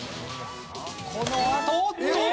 このあと。